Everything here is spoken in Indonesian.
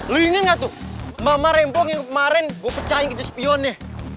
lu inget gak tuh mama rempok yang kemarin gua pecahin kejepionnya